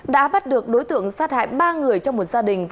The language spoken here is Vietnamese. đã bắt được đối tượng sát hại ba người trong một gia đình